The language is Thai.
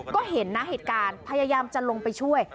ก็เห็นนะเหตุการณ์พยายามจะลงไปช่วย